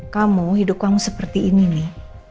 kamu hidup kamu seperti ini nih